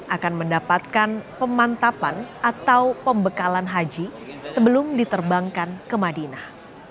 akan mendapatkan pemantapan atau pembekalan haji sebelum diterbangkan ke madinah